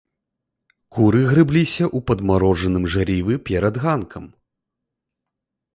Куры грэбліся ў падмарожаным жвіры перад ганкам.